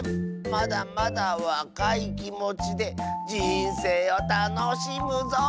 まだまだわかいきもちでじんせいをたのしむぞ！